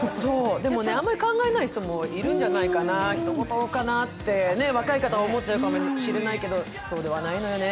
でもね、あまり考えない人もいるんじゃないかなと、若い方は思っちゃうかもしれないけど、そうではないのよね。